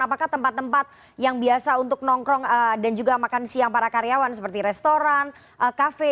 apakah tempat tempat yang biasa untuk nongkrong dan juga makan siang para karyawan seperti restoran kafe